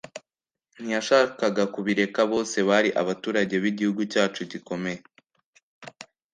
ntiyashakaga kubireka. bose bari abaturage b'igihugu cyacu gikomeye